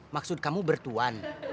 maksud kamu bertuan